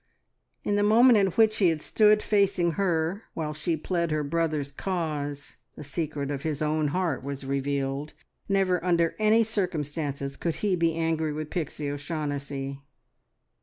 In the moment in which he had stood facing her while she pled her brother's cause, the secret of his own heart was revealed. Never under any circumstances could he be angry with Pixie O'Shaughnessy.